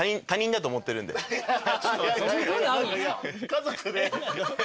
家族で。